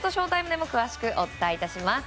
ＳＨＯ‐ＴＩＭＥでも詳しくお伝えいたします。